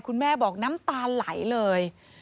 คุณแม่บอกน้ำตาไหลเลย